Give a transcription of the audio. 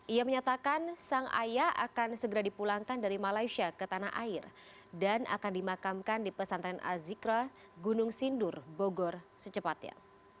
ia menyatakan sang ayah akan segera dipulangkan dari malaysia ke tanah air dan akan dimakamkan di pesantren azikra gunung sindur bogor secepatnya